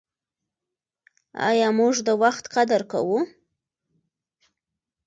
آیا موږ د وخت قدر کوو؟